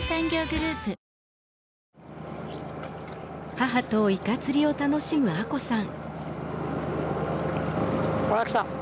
母とイカ釣りを楽しむ亜子さん。